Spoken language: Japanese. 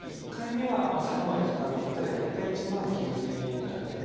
１回目は３割負担の方で大体１万９，０００円ぐらい。